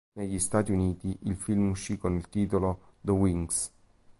Negli Stati Uniti, il film uscì con il titolo "The Wings"